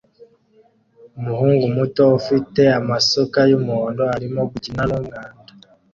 Umuhungu muto ufite amasuka yumuhondo arimo gukina numwanda